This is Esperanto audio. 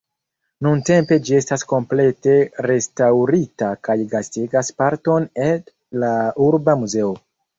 Nuntempe ĝi estas komplete restaŭrita kaj gastigas parton ed la urba muzeo.